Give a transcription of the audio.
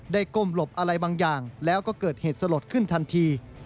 ก้มหลบอะไรบางอย่างแล้วก็เกิดเหตุสลดขึ้นทันที